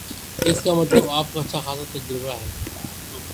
اس کا مطلب آپ کو اچھا خاصا تجربہ ہے